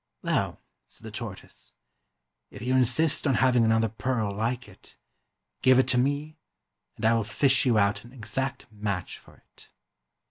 "Well," said the tortoise, "if you insist on ha\dng another pearl like it, give it to me and I will fish you out an exact match for it."